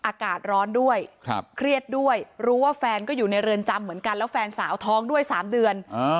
อากาศร้อนด้วยเครียดด้วยรู้ว่าแฟนก็อยู่ในเรือนจำเหมือนกันแล้วแฟนสาวท้องด้วย๓เดือน